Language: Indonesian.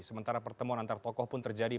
sementara pertemuan antar tokoh pun terjadi